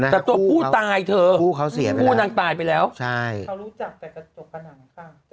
แต่ตัวผู้ตายเธอผู้เขาเสียไปแล้วผู้นางตายไปแล้วใช่เขารู้จักแต่กระจกผนังค่ะ